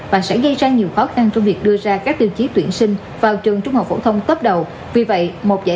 và sẽ gây ra nhiều khó khăn trong việc đưa ra phương án